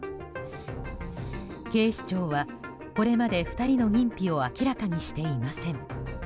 警視庁は、これまで２人の認否を明らかにしていません。